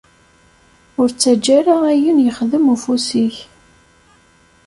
Ur ttaǧǧa ara ayen yexdem ufus-ik.